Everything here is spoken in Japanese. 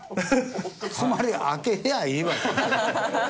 つまり開けりゃいいわけ。